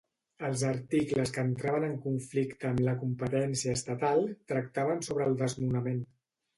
Els articles que entraven en conflicte amb la competència estatal tractaven sobre el desnonament.